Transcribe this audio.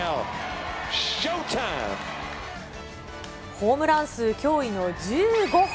ホームラン数、驚異の１５本。